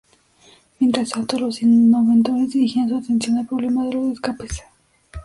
Mientras tanto, los inventores dirigían su atención al problema de los escapes.